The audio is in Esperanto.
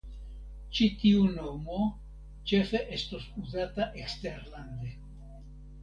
Ĉi tiu nomo ĉefe estos uzata eksterlande.